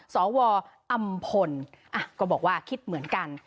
สวอำพลก็บอกว่าคิดเหมือนกัน